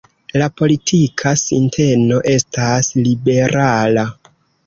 La politika sinteno estas liberala.